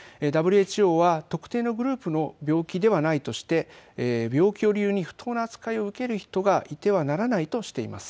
ＷＨＯは特定のグループの病気ではないとして病気を理由に不当な扱いを受ける人がいてはならないとしています。